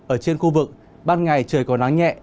ở trên khu vực ban ngày trời có nắng nhẹ